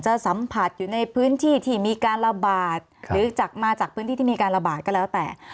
สัมผัสอยู่ในพื้นที่ที่มีการระบาดหรือจากมาจากพื้นที่ที่มีการระบาดก็แล้วแต่